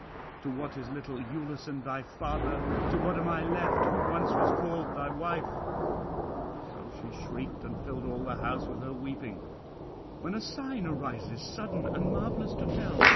To what is little Iülus and thy father, to what am I left who once was called thy wife?" 'So she shrieked, and filled all the house with her weeping; when a sign arises sudden and marvellous to tell.